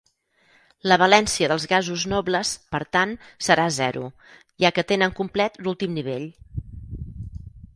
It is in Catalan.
La valència dels gasos nobles, per tant, serà zero, ja que tenen complet l'últim nivell.